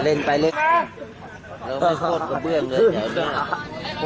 ต้องรู้ที่มันหล่อหลาย